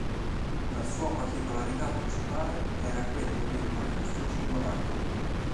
La sua particolarità principale era quella di avere un affusto cingolato.